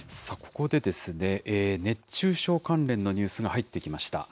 ここで、熱中症関連のニュースが入ってきました。